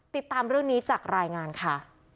ติดตามเรื่องนี้จากรายงานค่ะ